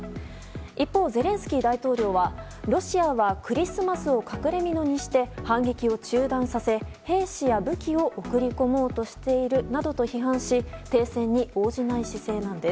一方、ゼレンスキー大統領はロシアはクリスマスを隠れ蓑にして反撃を中断させ、兵士や武器を送り込もうとしているなどと批判し停戦に応じない姿勢なんです。